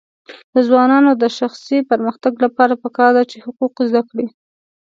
د ځوانانو د شخصي پرمختګ لپاره پکار ده چې حقوق زده کړي.